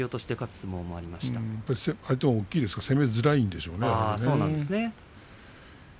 相手が大きいですからね攻めづらいんでしょうね。